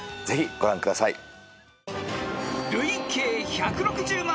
ぜひご覧ください。